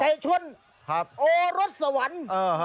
ไก่ชนโอฤษวรรณ